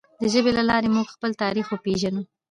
د ژبې له لارې موږ خپل تاریخ وپیژنو.